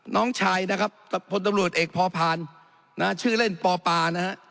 น้องชายนะครับพลตำรวจเอกพอพานนะชื่อเล่นปปานะฮะ